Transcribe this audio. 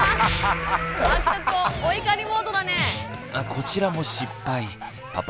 こちらも失敗パパ